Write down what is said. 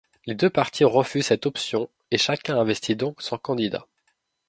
Les deux partis refusent cette option et chacun investit donc son candidat.